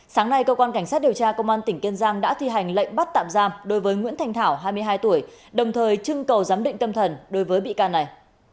sáng nay cơ quan cảnh sát điều tra công an tỉnh kiên giang đã thi hành lệnh bắt tạm giam đối với nguyễn thành thảo hai mươi hai tuổi đồng thời chưng cầu giám định tâm thần đối với bị can này